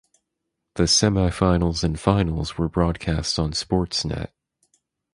The semifinals and finals were broadcast on Sportsnet.